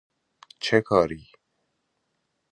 چکاری